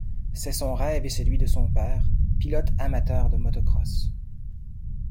C'est son rêve et celui de son père, pilote amateur de motocross.